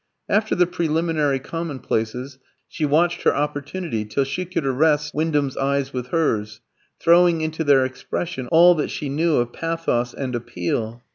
After the preliminary commonplaces, she watched her opportunity till she could arrest Wyndham's eyes with hers, throwing into their expression all that she knew of pathos and appeal.